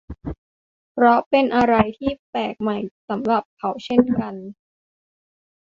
เพราะเป็นอะไรที่แปลกใหม่สำหรับเขานั่นเอง